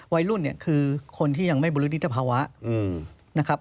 วัยรุ่นเนี่ยคือคนที่ยังไม่บุรณิตภาวะนะครับ